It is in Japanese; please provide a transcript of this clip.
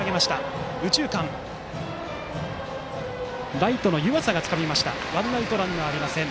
ライトの湯淺がつかんでワンアウト、ランナーありません。